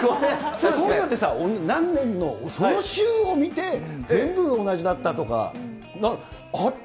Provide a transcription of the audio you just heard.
普通、そういうのってさ、何年のその週を見て、全部同じだったとか。